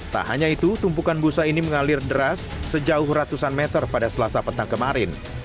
tak hanya itu tumpukan busa ini mengalir deras sejauh ratusan meter pada selasa petang kemarin